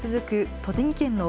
栃木県の奥